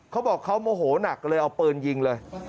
เขาบอกเขาโมโหนักเลยเอาปืนยิงเลย